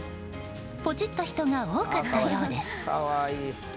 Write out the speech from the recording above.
ポチッた人が多かったようです。